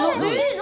何？